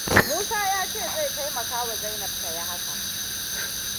Musa ya ce zai taimakawa Zainab ta yi haka.